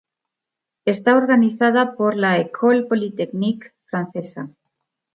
Está organizada por la École polytechnique francesa.